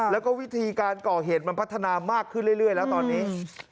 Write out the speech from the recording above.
แล้วก็วิธีการก่อเหตุมันพัฒนามากขึ้นเรื่อยแล้วตอนนี้